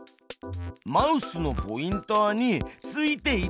マウスのポインターについていってる。